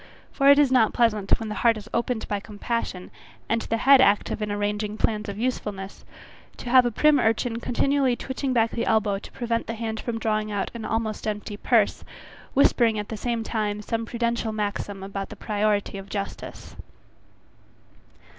For it is not pleasant when the heart is opened by compassion, and the head active in arranging plans of usefulness, to have a prim urchin continually twitching back the elbow to prevent the hand from drawing out an almost empty purse, whispering at the same time some prudential maxim about the priority of justice.